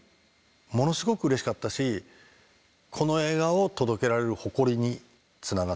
ものすごくうれしかったしこの映画を届けられる誇りにつながったって気はするんですよね。